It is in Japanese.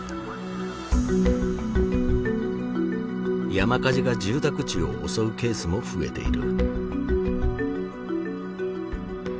山火事が住宅地を襲うケースも増えている。